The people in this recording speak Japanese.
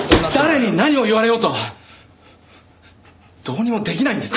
誰に何を言われようとどうにもできないんです。